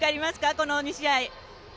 この２試合。